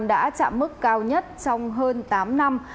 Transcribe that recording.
đã chạm mức cao nhất trong hơn tám năm